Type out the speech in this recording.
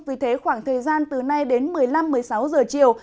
vì thế khoảng thời gian từ nay đến một mươi năm một mươi sáu giờ chiều